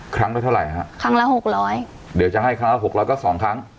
ครั้งละเท่าไหร่ฮะครั้งละหกร้อยเดี๋ยวจะให้ครั้งละหกร้อยก็สองครั้ง